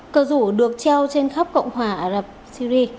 cờ rủ được treo trên khắp cộng hòa ả rập syri